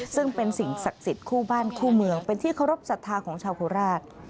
ซึ่งเป็นสิ่งศักดิ์สิทธิ์คู่บ้านคู่เมืองเป็นที่เคารพสัทธาของชาวโคราช